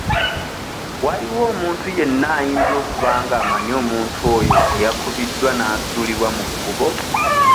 Waliwo omuntu yenna ayinza okuba ng'amanyi omuntu oyo eyakubiddwa n'asuulibwa mu kkubo?